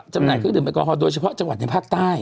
จำหน่ายเครื่องดื่มแอลกอฮอลโดยเฉพาะจังหวัดในภาคใต้